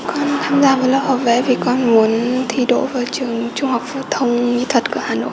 con tham gia vào lớp học vẽ vì con muốn thi đổ vào trường trung học phổ thông mỹ thuật của hà nội